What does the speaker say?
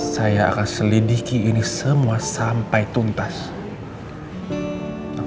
saya sudah merencanakan ini semua dengan sangat matang